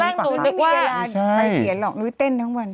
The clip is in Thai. นี่หลอกนุ้ยเต้นทั้งวัน